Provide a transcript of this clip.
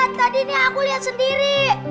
tadi ini aku lihat sendiri